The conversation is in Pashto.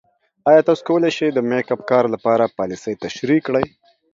ایا تاسو کولی شئ د میک اپ کار لپاره پالیسۍ تشریح کړئ؟